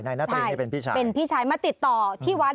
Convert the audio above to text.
นาตรีนี่เป็นพี่ชายเป็นพี่ชายมาติดต่อที่วัด